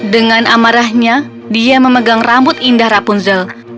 dengan amarahnya dia memegang rambut indah rapunzel